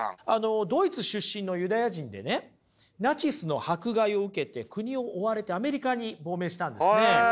ドイツ出身のユダヤ人でねナチスの迫害を受けて国を追われてアメリカに亡命したんですね。